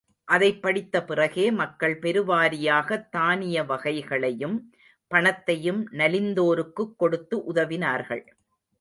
அதைப் படித்த பிறகே மக்கள் பெருவாரியாகத் தானிய வகைகளையும், பணத்தையும் நலிந்தோருக்குக் கொடுத்து உதவினார்கள்.